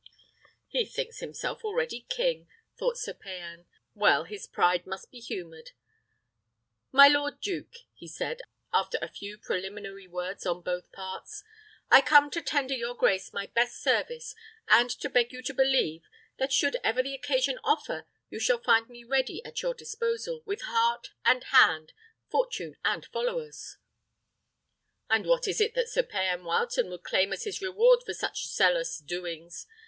"He thinks himself already king," thought Sir Payan. "Well, his pride must be humoured. My lord duke," he said, after a few preliminary words on both parts, "I come to tender your grace my best service, and to beg you to believe, that should ever the occasion offer, you shall find me ready at your disposal, with heart and hand, fortune and followers." "And what is it that Sir Payan Wileton would claim as his reward for such zealous doings?"